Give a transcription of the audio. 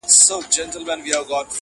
سل وعدې مو هسې د اوبو پر سر کرلې وې!!